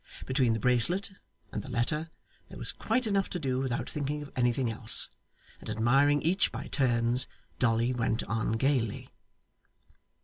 Between the bracelet and the letter, there was quite enough to do without thinking of anything else; and admiring each by turns, Dolly went on gaily.